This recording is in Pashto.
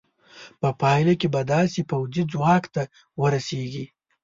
په پایله کې به داسې پوځي ځواک ته ورسېږې.